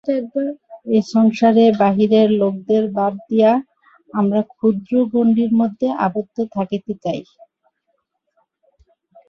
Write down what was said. এ সংসারে বাহিরের লোকদের বাদ দিয়া আমরা ক্ষুদ্র গণ্ডির মধ্যে আবদ্ধ থাকিতে চাই।